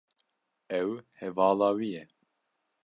Ew hevala wî ye.